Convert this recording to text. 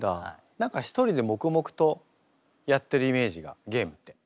何か１人で黙々とやってるイメージがゲームって。